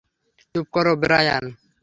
চুপ করো, ব্রায়ান!